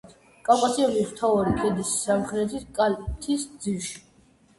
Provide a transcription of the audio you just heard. კავკასიონის მთავარი ქედის სამხრეთი კალთის ძირში.